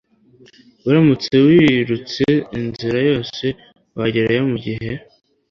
Uramutse wirutse inzira yose, wagerayo mugihe.